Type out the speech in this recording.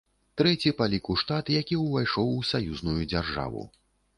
Трэці па ліку штат, які ўвайшоў у саюзную дзяржаву.